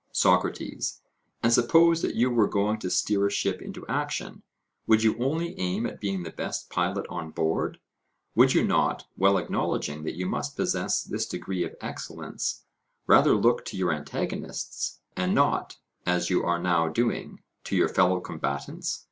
SOCRATES: And suppose that you were going to steer a ship into action, would you only aim at being the best pilot on board? Would you not, while acknowledging that you must possess this degree of excellence, rather look to your antagonists, and not, as you are now doing, to your fellow combatants?